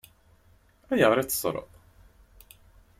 Ayɣer i t-teṣṣṛeḍ?